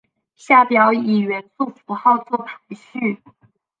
下表以元素符号作排序。